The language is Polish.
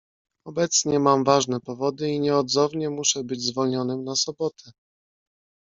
"Obecnie mam ważne powody i nieodzownie muszę być zwolnionym na sobotę."